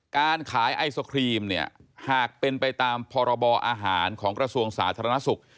การขายไอศครีมเนี่ยหากเป็นไปตามพบอาหารของกระทรวงศาสตร์ธรรมนาศุกร์